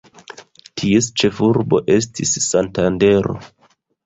Ties ĉefurbo estis Santandero.